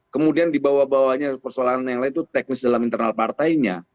kemudian dibawa bawanya persoalan yang lain itu teknis dalam internal partainya